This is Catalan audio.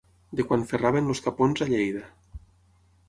De quan ferraven els capons a Lleida.